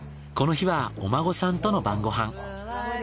この日はお孫さんとの晩ご飯。